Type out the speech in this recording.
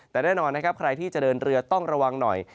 แต่แน่นอนนะครับใครที่จะเดินเรือต้องระวังหน่อย